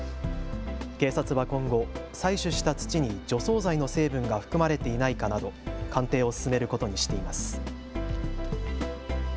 警察は今後、採取した土に除草剤の成分が含まれていないかなど鑑定を進めることにしています。